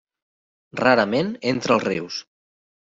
Rarament entra als rius.